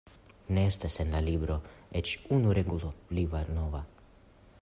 "Ne estas en la libro eĉ unu regulo pli malnova!"